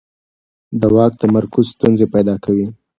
د واک تمرکز ستونزې پیدا کوي